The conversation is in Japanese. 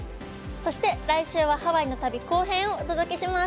そして来週はハワイの旅後編をお届けします